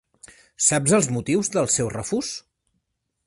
Saps els motius del seu refús?